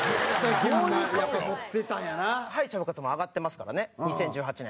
きむ：敗者復活も上がってますから、２０１８年。